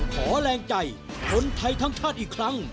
ขอแรงใจคนไทยทั้งชาติอีกครั้ง